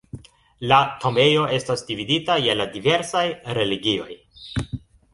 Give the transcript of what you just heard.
La tombejo estas dividita je la diversaj religioj.